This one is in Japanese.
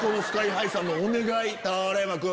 ＳＫＹ−ＨＩさんのお願い俵山君。